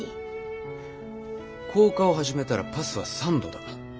降下を始めたらパスは３度だ。